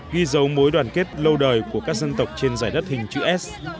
ghi dấu mối đoàn kết lâu đời của các dân tộc trên giải đất hình chữ s